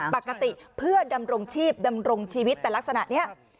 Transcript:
ปกติเพื่อดำรงชีพดำรงชีวิตแต่ลักษณะนี้